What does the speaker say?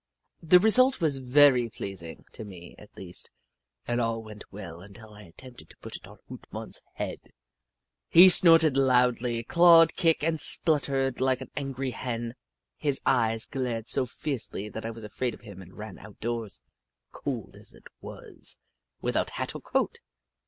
The result was very pleasing, to me, at least, and all went well until I attempted to put it on Hoot Mon's head. He snorted loudly, clawed, kicked, and splut tered like an angry Hen. His eyes glared so fiercely that I was afraid of him and ran out doors, cold as it was, without hat or coat.